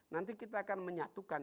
nanti kita akan menyatukan